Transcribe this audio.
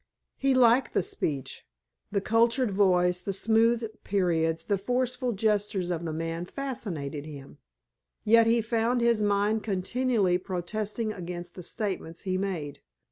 He liked the speech. The cultured voice, the smooth periods, the forceful gestures of the man fascinated him. Yet he found his mind continually protesting against the statements he made.